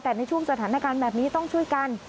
แต่ในช่วงสถานการณ์แบบนี้ต้องช่วยกัน